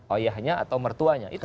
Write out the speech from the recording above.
oyahnya atau mertuanya